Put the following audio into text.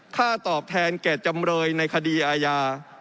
ค่าตอบแทนแก่จำเลยในคดีอาญา